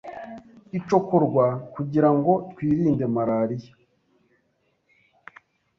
icokorwa kugira ngo twirinde malaria